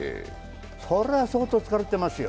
それは相当疲れてますよ。